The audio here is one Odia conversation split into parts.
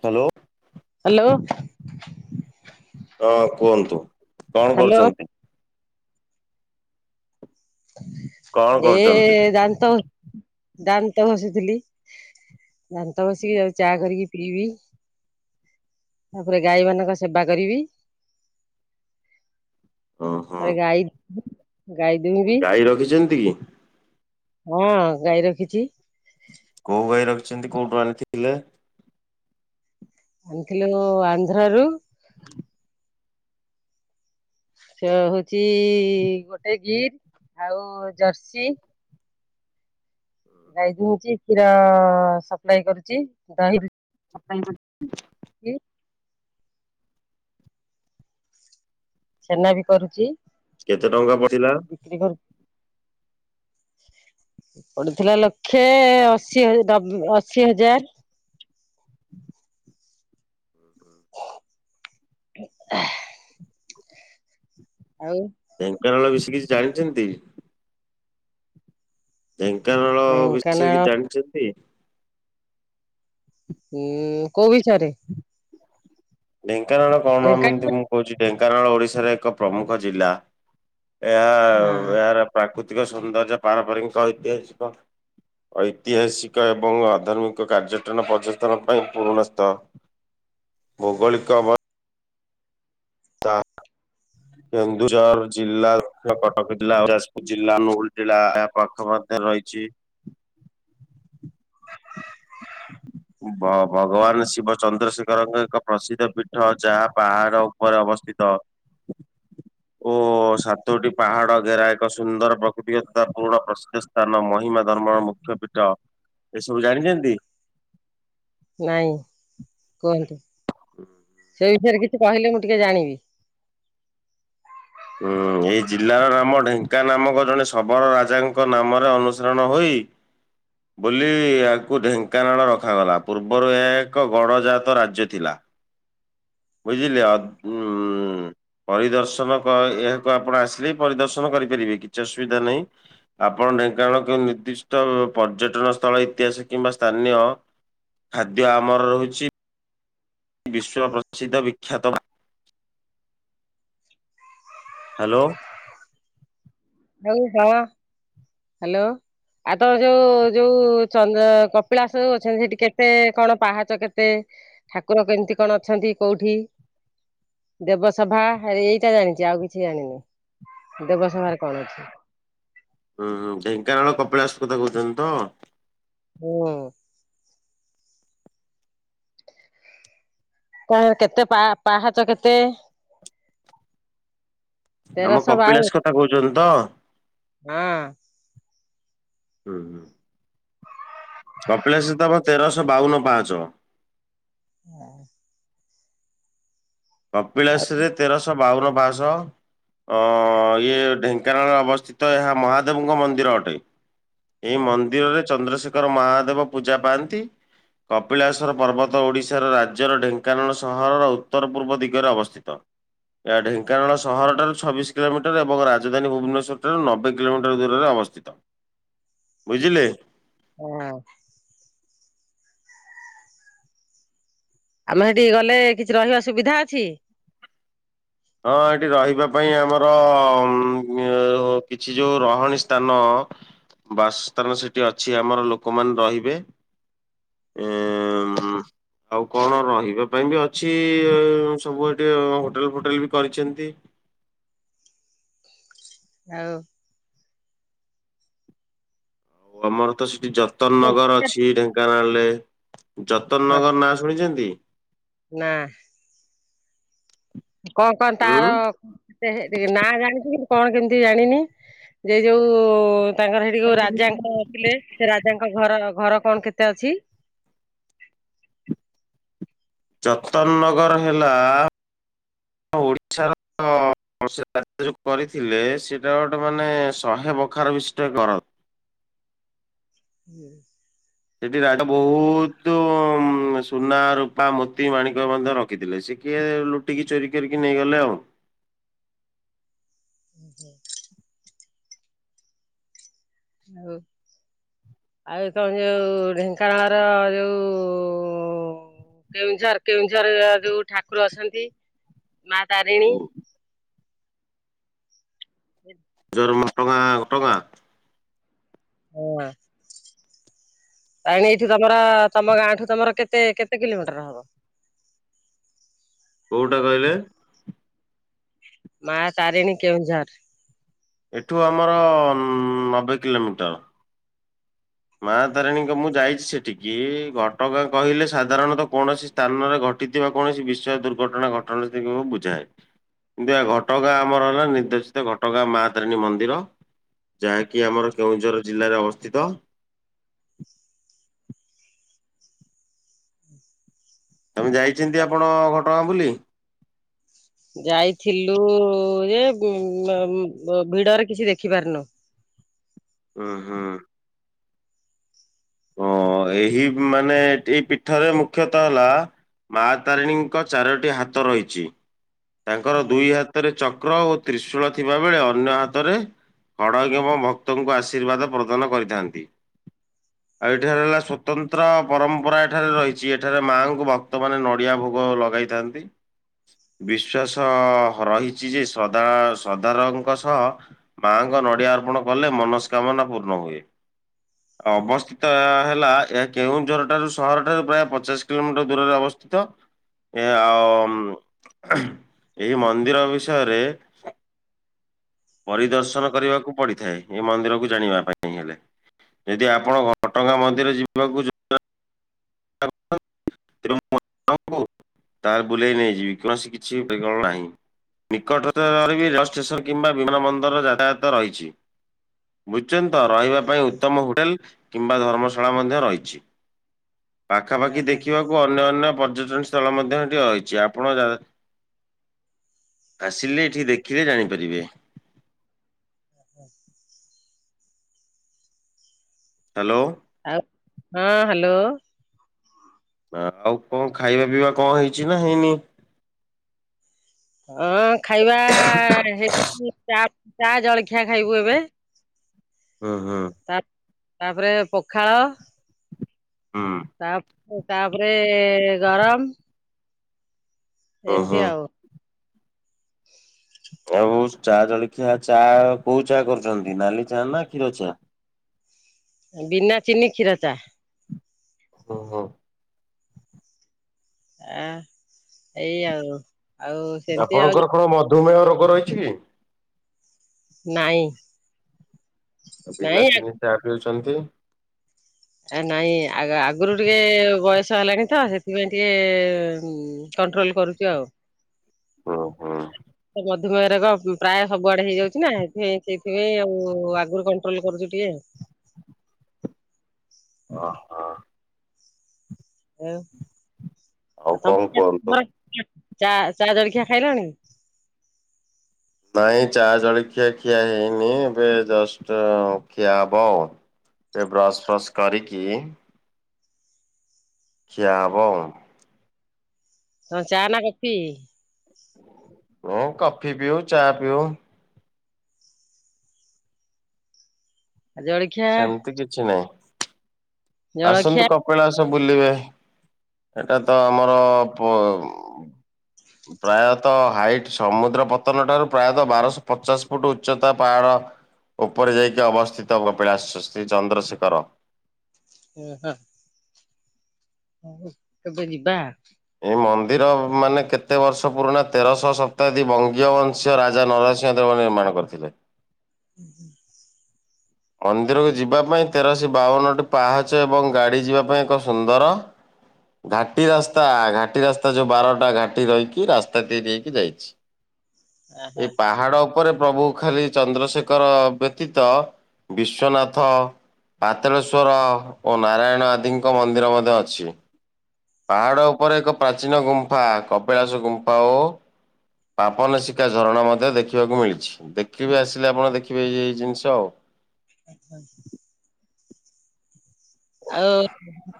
ହ୍ୟାଲୋ ହ୍ୟାଲୋ ହ ହଁ କୁହନ୍ତୁ କଣ ହ୍ୟାଲୋ କରୁଛନ୍ତି କଣ ଏ କରୁଛନ୍ତି? ଦା ତ ଦଡାନ୍ତ ତ ଘସିଥିଲି ଦାନ୍ତ ବସିକି ଯଉ ଚା କରିକି ପିବି। ତାପରେ ଗାଈ ମାନଙ୍କ ସେବା କରିବି। ଉଁ ହୁଁ ଆ ଗାଈ ଗାଈ ଦୁହିଁବି ଗାଈ ରଖିଛନ୍ତି କି? ହଁ ଗାଈ ରଖିଛି। ଅଛନ୍ତି କୋଉଠୁ ଆଣିଥିଲେ। ଆଣିଥିଲୁ ଆନ୍ଧ୍ରାରୁୁ ସେ ହଉଛି ଗୋଟେ ଗିର୍ ଆଉ ଜର୍ସି ଗାଈ ଦିଛି କ୍ଷୀର ସପ୍ଲାଇ କରୁଛି ଦହିରୁ ଆ ପାଇଁ ଏ [unintelligible] ଛେନା ବି କରୁଛି। କେତେ ଟଙ୍କା ପଡିଲା? ବିକ୍ରି କରୁ ପଡିଥିଲା ଲକ୍ଷେ ଅଶୀବେ ଅଶି ହଜାର [inaudible] ଆଉ ଢେଙ୍କାନାଳ କିଛି ଜାଣିଛନ୍ତି? ଢେଙ୍କାନାଳ ବିଷୟ କିଚି ଢେଙ୍କାନାଳ ଜାଣିଛନ୍ତି? ହୁଁ କୋଉ ବିଷୟରେ? [inaudible] କାରଣ କଣ ଏମିତି ଢେଙ୍କାନାଳ ମୁଁ କହୁଛି ଢ଼େ କାରଣ ଓଡ଼ିଶାର ଏକ ପ୍ରମୁଖ ଜିଲ୍ଲା। ଏହା ହଁ ଏହାର ପ୍ରାକୃତି ତିକ ସୌନ୍ଦର୍ଯ୍ୟ ପାରମ୍ପରିକ ଐତିହାସିକ, ଐତିହାସିକ ଏବଂ ଆଧର୍ମିକ କାର୍ଯ୍ୟଟନ ପର୍ଯ୍ୟଥନ ପାଇଁ ପୁରୁଣା ସ୍ଥ ଭୌଗୋଳିକ ବତ୍ ତାକ୍ କେନ୍ଦୁଝର ଜିଲ୍ଲା କଟକ ଜିଲ୍ଲା ଯାଜପୁର ଜିଲ୍ଲା ଅନୁଗୁଳ ପାଖ ମଧ୍ୟ ରହିଛି ଭ ଭଗବାନ ଶିବ ଚନ୍ଦ୍ରଶେଖରଙ୍କ ଏକ ପ୍ରସିଦ୍ଧ ପୀଠ ଯାହା ପାହାଡ଼ ଉପରେ ଅବସ୍ଥିତ ଓ ସାତୋଟି ପାହାଡ ଘେରା ଏକ ସୁନ୍ଦର ପ୍ରକୃତିତା ପୁରୁଣ ପ୍ରସିଦ୍ଧ ସ୍ଥାନ ମହିମା ଧର୍ମର ମୁଖ୍ୟ ପୀଠ ଏସବୁ ଜାଣିଛନ୍ତି? ନାଇଁ କୁହନ୍ତୁ। [inaudible] ସେ ବିଷୟରେ କିଛି କହିଲେ ମୁଁ ଟିକେ ଜାଣିବି? ହୁଁ, ଏଇ ଜିଲ୍ଲାର ନାମ ଢେଙ୍କା ନାମକ ଜଣେ ଶବର ରାଜାଙ୍କ ନାମରେ ଅନୁସରଣ ହୋଇ ବୋଲି ଏହାକୁ ଢେଙ୍କାନାଳ ରଖାଗଲା ପୂର୍ବରୁ ଏହା ଏକ ଗଡଜାତ ରାଜ୍ୟ ଥିଲା। ବୁଝିଲେ ଅ ଉ ପରିଦର୍ଶନ କ ଏହାକୁ ଆପଣ ଆସିଲେ ପରିଦର୍ଶନ କରିପାରିବେ କିଛି ଅସୁବିଧା ନାହିଁ ଆପଣ ଢେଙ୍କାନାଳ କେଉଁ ନିର୍ଦ୍ଦିଷ୍ଟ ପର୍ଯ୍ୟଟନ ସ୍ଥଳ ଇତିହାସ କିମ୍ବା ସ୍ଥାନୀୟ ଖାଦ୍ୟ ଆମର ରହୁଛି। ବିଶ୍ୱ ରଚିତ ବିଖ୍ୟାତ ହାଲୋ। ହଉ କଣ ହାଲୋ ଆଉ ତ ଯୋଉ ଯୋଉ ଚନ୍ଦ୍ର କପିଳାସ ଯଉ ଅଛନ୍ତି ସେଠି କେତେ କଣ ପାହାଚ କେତେ ଠାକୁର କେମିତି କଣ ଅଛନ୍ତି କୋଉଠି ଦେବସଭା ଏଇଟା ଜାଣିଛି ଆଉ କିଛି ଜାଣିନି ଦେବସଭାର କଣ ଅଛି? ହୁଁ ହୁଁ ଢେଙ୍କାନାଳ କପିଳାସ କଥା କହୁଛନ୍ତି ତ? ହୁଁ। କ କେତେ ପା ପାହାଚ କେତେ? ଆମ ତେରଶହ କପିଳାସ କଥା କହୁଛନ୍ତି ତ? ହୁଁ। ହୁଁ। କପିଳାଶ ତମ ତେରଶହ ବାଉନ ପାହାଚ। ହଁ। ଆଉ କପିଳାସରେ ତେରଶହ ବାଉନ ପାହାଚ। ଅଁ ଇଏ ଢେଙ୍କାନାଳରେ ଅବସ୍ଥିତ ଏହା ମହାଦେବଙ୍କ ମନ୍ଦିର ଅଟେ। ଏଇ ମନ୍ଦିରରେ ଚନ୍ଦ୍ରଶେଖର ଶେଖର ମହାଦେବ ପୂଜା ପାଆନ୍ତି। କପିଳାସର ପର୍ବତ ଓଡ଼ିଶାର ରାଜ୍ୟର ଢେଙ୍କାନାଳ ସହରର ଉତ୍ତର ପୂର୍ବ ଦିଗରେ ଅବସ୍ଥିତ। ଏହା ଢେଙ୍କାନାଳ ସହରଠାରୁ ଛବିଶ କିଲୋମିଟର ଏବଂ ରାଜଧାନୀ ଭୁବନେଶ୍ୱରଠାରୁ ନବେ କିଲୋମିଟର ଦୂରରେ ଅବସ୍ଥିତ। ବୁଝିଲେ? ହୁଁ। ଆମେ ସେଠିକି ଗଲେ କିଛି ରହିବା ସୁବିଧା ଅଛି? ହଁ ଏଠି ରହିବା ପାଇଁ ଆମର କିଛି ଯୋଉ ରହଣି ସ୍ଥାନ ବାସସ୍ଥାନ ସେଠି ଅଛି ଆମର ଲୋକମାନେ ରହିବେ। ଆଉ କଣ ରହିବା ପାଇଁ ବି ଅଛି ସବୁ ଏଠି ହୋଟେଲ ଫୋଟେଲ ବି କରିଚନ୍ତି। ଆଉ ଆଉ ଆମର ତ ସେ ଯତନ ନଗର ଅଛି ଢେଙ୍କାନାଳ ରେ [inaudible] ଯତନ ନଗର ନାଁ ଶୁଣିଚନ୍ତି? ନାଁ। କଣ କଣ ଉଁ ତାର ନା ଜାଣିଛନ୍ତି? କଣ କେମିତି ଜାଣିନି ଯେ ଯୋଉ ତାଙ୍କର ସେଠି କୋଉ ରାଜାଙ୍କ ଥିଲେ। ସେ ରାଜାଙ୍କ ଘର ଘର କଣ କେତେ ଅଛି ଯତନ ନଗର ହେଲା ଓଡ଼ିଶାର ରାଜା ଯୋଉ କରିଥିଲେ ସେଟା ଗୋଟେ ମାନେ ଶହେ ବଖରା ବିଶିଷ୍ଟ ଘର। ହୁଁ। ବିରାଟ ବହୁତ ସୁନା ରୂପା ମୋତି ମାଣିକ ମଧ୍ୟ ରଖିଥିଲେ ସିଏ କିଏ ଲୁଟିକି ଚୋରି କରିକି ନେଇଗଲେ ଆଉ। ଯେ [inaudible] ହଉ ଆଉ କଣ ଯୋଉ ଢେଙ୍କାନାଳ ର ଯୋଉ କେଉଁଝର କେଉଁଝର ଯୋଉ ଠାକୁର ଅଛନ୍ତି। ମା ତାରିଣୀ। ହେ। ମନ୍ଦିର ଘଟ ଗାଁ ଘଟ ଗାଁ। ହଁ। ତାରଣୀ ଏଇଠି ତମର ତମ ଗାଁ ଠୁ ତମର କେତେ କେତେ କିଲୋମିଟର ହବ? କୋଉଟା କହିଲେ? ମା ତାରିଣୀ କେଉଁଝର। ଏଠୁ ଆମର ନବେ କିଲୋମିଟର। ମା ତାରିଣୀଙ୍କ ମୁଁ ଯାଇଛି ସେଠିକି ଘଟଗାଁ କହିଲେ ସାଧାରଣତଃ କୌଣସି ସ୍ଥାନରେ ଘଟିଥିବା କୌଣସି ବିଷୟ ଦୁର୍ଘଟଣା ଘଟଣା ତିକୁ ବୁଝାଏ। କିନ୍ତୁ ଏହା ଘଟଗାଁ ଆମର ହେଲା ନିର୍ଦ୍ଦେଶିତ ଘଟଗାଁ ମା ତାରିଣୀ ମନ୍ଦିର ଯାହାକି ଆମର କେଉଁଝର ଜିଲ୍ଲାରେ ଅବସ୍ଥିତ ତମେ ଯାଇଛନ୍ତି ଆପଣ ଘ ହଁ ବୁଲି। ଯାଇଥିଲୁ ଯେ ଭିଡରେ କିଛି ଦେଖି ପାରିନୁ। ହୁଁ ହୁଁ। ଓ ଏହି ମାନେ ଏଇ ପୀଠରେ ମୁଖ୍ୟତଃ ହେଲା ମା ତାରିଣୀଙ୍କ ଚାରୋଟି ହାତ ରହିଛି। ତାଙ୍କର ଦୁଇ ହାତରେ ଚକ ଚକ୍ର ଓ ତ୍ରିଶୂଳ ଥିବା ବେଳେ ଅନ୍ୟ ହାତରେ ହଡ଼ଗମ ଭକ୍ତଙ୍କୁ ଆଶୀର୍ବାଦ ପ୍ରଦାନ କରିଥାନ୍ତି ଆଉ ଏଠାରେ ହେଲା ସ୍ଵତନ୍ତ୍ର ପରମ୍ପରା ଏଠାରେ ରହିଛି ଏଠାରେ ମାଙ୍କୁ ଭକ୍ତ ମାନ ନଡିଆ ଭୋଗ ଲଗାଇଥାନ୍ତି। ବିଶ୍ୱାସ ଅ ରହିଛି ଯେ ଶ୍ରଧା ଶ୍ରଦ୍ଧାରଙ୍କ ସହ ମାଙ୍କ ନଡ଼ିଆ ଅର୍ପଣ କଲେ ମନସ୍କାମନା ପୂର୍ଣ୍ଣ ହୁଏ ଅବସ୍ଥିତ ହେଲା ଏ କେଉଁଝର ଠାରୁ ସହରଠାରୁ ପ୍ରାୟ ପଚାଶ କିଲୋମିଟର ଦୂରରେ ଅବସ୍ଥିତ ଏ ଆଉ ଏହି ମନ୍ଦିର ବିଷୟରେ ପରିଦର୍ଶନ କରିବାକୁ ପଡିଥାଏ ଏ ମନ୍ଦିରକୁ ଜାଣିବା ପାଇଁ ହେଲେ ଯଦି ଆପଣ ଘଟଗା ମନ୍ଦିର ଯିବାକୁ କେବେ ମୁଁ ତାହେଲେ ବୁଲେଇ ନେଇଯିବି କୌଣସି ନିକଟରେ ବିରେଳ ଷ୍ଟେସନ କିମ୍ବା ବିମାନ ବନ୍ଦର ଯାତାୟାତ ରହିଛି ବୁଝୁଛନ୍ତି ତ ରହିବା ପାଇଁ ଉତ୍ତମ ହୋଟେଲ କିମ୍ବା ଧର୍ମଶାଳା ମଧ୍ୟ ରହିଛି। ପାଖାପାଖି ଓହୋ ଦେଖିବାକୁ ଅନ୍ୟ ଅନ୍ୟ ପର୍ଯ୍ୟଟନ ସ୍ଥଳ ମଧ୍ୟ ଏଇଠି ରହିଛି ଆପଣ ଆସିଲେ ଏଠି ଦେଖିଲେ ଜାଣିପାରିବେ। ହ ହୁଁ [unintelligible] ହ୍ୟାଲୋ। ଆଉ ହଁ ହ୍ୟାଲୋ। ଆଉ କଣ ଖାଇବା ପିଇବା କଣ ହେଇଛି ନା ହେଇନି? ହଁ ଖାଇବା ହେ ଛି ଚା ଚା ଜଳଖିଆ ଖାଇବୁ ଏବେ। ହୁଁ ହୁଁ। ତା ତାପରେ ପଖାଳ। ହୁଁ। ତା ତାପରେ ଗରମ। ଏମିତି ଓହୋ ଆଉ। ହ [inaudible] ଆଉ ଚା ଜଳଖିଆ ଚା କୋଉ ଚା କରୁଛନ୍ତି ନାଲି ଚା ନା କ୍ଷୀର ଚା? ବିନା ଚିନି କ୍ଷୀର ଚା। ଓହୋ। ଆ ଏଇ ଆଉ। ଆଉ ସେମତି ଆଉ। ଧୁମେହ ରୋଗ ରହିଛି କି? ନାହିଁ। ବିନା ଚିନି ଚା ପିଉଛନ୍ତି। ଏ ନାଇଁ ଆଗ ଆଗରୁ ଟିକେ ବୟସ ହେଲାଣି ତ ସେଥିପାଇଁ ଟିକେ କଣ୍ଟ୍ରୋଲ କରୁଛୁ ଆଉ। ହୁଁ ହୁଁ। ମଧୁମେହ ରୋଗ ପ୍ରାୟ ସବୁଆଡେ ହେଇଯାଉଛି ନା ଏଇଥିପାଇଁ ସେଇଥିପାଇଁ ଆଉ ଆଗରୁ କଣ୍ଟ୍ରୋଲ କରୁଛୁ ଟିକେ। ଓ ହୋ। ଆଉ ଆଉ ଆପଣ କଣ କୁହନ୍ତୁ? [unintelligible] ଚା ଚା ଜଳଖିଆ ଖାଇଲଣି? ନାଇଁ ଚା ଜଳଖିଆ ଖିଆ ହେଇନି ଏବେ ଜଷ୍ଟ ଖିଆ ହବ ଏବେ ବ୍ରସ୍ ଫ୍ରସ୍ କରିକି ଖିଆ ହବ। ଚା ନା କଫି। ହ କଫି ପିଉ ଚା ପିଉ। ଜଳଖିଆ ସେମିତି କିଛି ନାହିଁ। ଜଳଖିଆ ଆସନ୍ତୁ କପିଳା ଆସ ବୁଲିବେ ଏଟା ତ ଆମର ପ୍ରାୟତଃ ହାଇଟ ସମୁଦ୍ର ପତନ ଠାରୁ ପ୍ରାୟତଃ ବାରଶହ ପଚାଶ ଫୁଟ ଉଚ୍ଚତା ପାହାଡ ଉପରେ ଯାଇକି ଅବସ୍ଥିତ କପିଳା ଆସ୍ରୀ ଚନ୍ଦ୍ରଶେଖର। ହ ହଁ। କେବେ ଯିବାଆ । ଏଇ ମନ୍ଦିର ମାନେ କେତେ ବର୍ଷ ପୁରୁଣା ତେରଶହ ଶତାବ୍ଦୀ ବଙ୍ଗୀୟବଂଶ ରାଜା ନରସିଂହ ଦେବ ନିର୍ମାଣ କରିଥିଲେ। ମନ୍ଦିରକୁ ଯିବା ପାଇଁ ତେରଶ ବାଉନଟି ପାହାଚ ଏବଂ ଗାଡି ଯିବା ପାଇଁ ଏକ ସୁନ୍ଦର ଘାଟି ରାସ୍ତା ଘାଟି ରାସ୍ତା ଯୋଉ ବାରଟା ଘାଟି ରହିକି ରାସ୍ତା ତିଆରି ହେଇକି ଯାଇଛି। ଓହୋ ଏଇ ପାହାଡ ଉପରେ ପ୍ରଭୁ ଖାଲି ଚନ୍ଦ୍ରଶେଖର ବ୍ୟତୀତ ବିଶ୍ୱନାଥ ପାାତଳେଶ୍୍ୱର ଓ ନାରାୟଣ ଆଦିଙ୍କ ମନ୍ଦିର ମଧ୍ୟ ଅଛି ପାହାଡ଼ ଉପରେ ଏକ ପ୍ରାଚୀନ ଗୁମ୍ଫା କପିଳାସ ଗୁମ୍ଫା ଓ ପାପନ ଶିକା ଝରଣା ମଧ୍ୟ ଦେଖିବାକୁ ମିଳିଛି ଦେଖିବି ଆସିଲେ ଆପଣ ଦେଖିବେ ଏ ଏଇ ଜିନିଷ ଆଉ। ହଁ। ଆଉ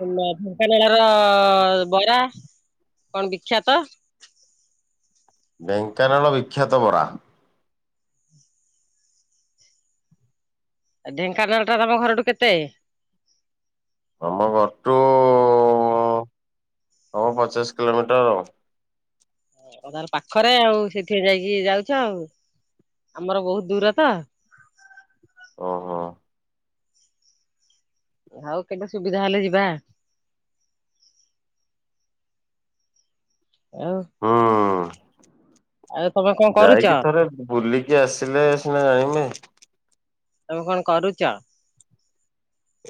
ଢେଙ୍କାନାଳ ର ବରା କଣ ବିଖ୍ୟାତ। ବେଙ୍କାନାଳ ବିଖ୍ୟାତ ବରା। ଢେଙ୍କାନାଳ ଟା ତମ ଘରଠୁ କେତେ? ଆମ ଘରଠୁ ହବ ପଚିଶ କିଲୋମିଟର ଆ। ତାର ପାଖରେ ଆଉ ସେଠି ଯାଇକି ଯାଉଛ ଆଉ ଆମର ବହୁତ ଦୂର ତ। ଓହୋ। ଆଉ କେବେ ସୁବିଧା ହେଲେ ଯିବା। ଆଉ ହଁ। ଆଉ ତମେ କଣ କରୁଛ? ଯାଇକି ଥରେ ବୁଲିକି ଆସିଲେ ସିନା ଜାଣିବେ। ତମେ କଣ କରୁଛ?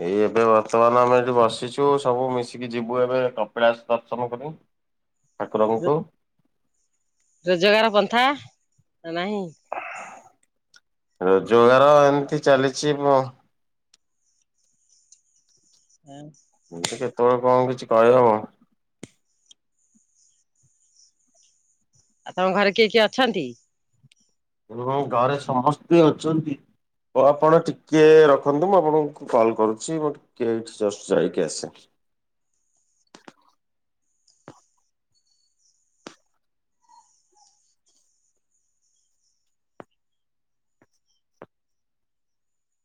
ଏଇ ଏବେ ବର୍ତ୍ତମାନ ଆମେ ଏଠି ବସିଛୁ ସବୁ ମିଶିକି ଯିବୁ ଏବେ କପିଳାସ ଦର୍ଶନ କରି। ଠାକୁରଙ୍କୁ ରୋଜଗାର ପନ୍ଥା ନାହିଁ। ର ଜୋଗାର ଏମିତି ଚାଲିଛି ମୁ ହଁ। କୋଉଠି କେତେବେଳେ କଣ କିଛି କହିହବ? ଆଉ ତମ ଘରେ କିଏ କିଏ ଅଛନ୍ତି? ଘରେ ସମସ୍ତେ ଅଛନ୍ତି ଓ ଆପଣ ଟିକେ ରଖନ୍ତୁ ମୁଁ ଆପଣଙ୍କୁ କଲ କରୁଛି ମୁଁ ଟିକେ ଏଇଠି ଜଷ୍ଟ ଯାଇକି ଆସେ।